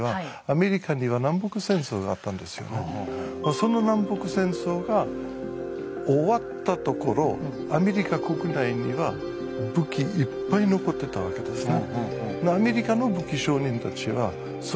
その南北戦争が終わったところアメリカ国内には武器いっぱい残ってたわけですね。